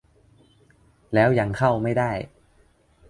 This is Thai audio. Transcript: แล้วยังเข้าไม่ได้